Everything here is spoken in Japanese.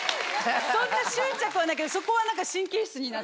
そんな執着はないけどそこは何か神経質になって。